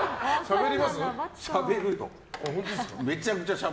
しゃべるよ。